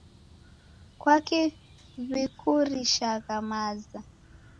Kwaki w'ikurishagha maza?